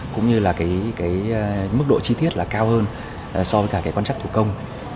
cũng như mức độ chi tiết cao hơn so với quan chắc thủ công